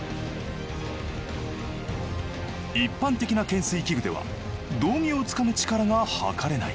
一般的な懸垂器具では道着をつかむ力が測れない。